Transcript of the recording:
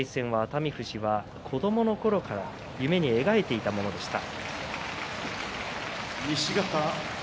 遠藤との対戦は熱海富士が子どものころから夢に描いていたものでした。